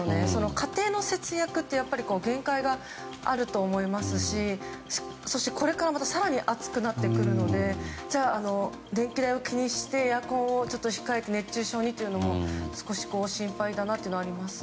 家庭の節約って限界があると思いますしそして、これからまた更に暑くなってくるのでじゃあ電気代を気にしてエアコンを控えて熱中症にというのも心配だなというのがあります。